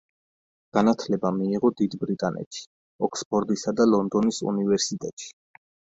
განათლება მიიღო დიდ ბრიტანეთში, ოქსფორდისა და ლონდონის უნივერსიტეტში.